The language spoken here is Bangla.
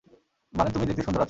মানে, তুমি দেখতে সুন্দর আছ।